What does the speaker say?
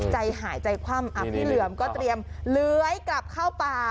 ใจหายใจคว่ำพี่เหลือมก็เตรียมเลื้อยกลับเข้าป่า